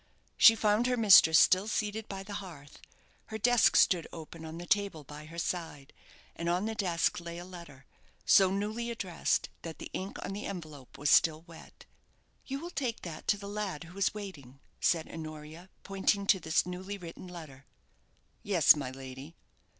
She found her mistress still seated by the hearth. Her desk stood open on the table by her side; and on the desk lay a letter, so newly addressed that the ink on the envelope was still wet. "You will take that to the lad who is waiting," said Honoria, pointing to this newly written letter. "Yes, my lady."